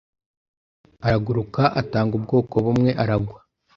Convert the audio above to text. araguruka, atanga ubwoko bumwe, aragwa.